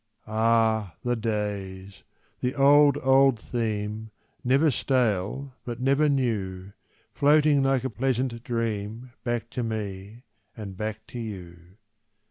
Ah, the days! the old, old theme, Never stale, but never new, Floating like a pleasant dream, Back to me and back to you.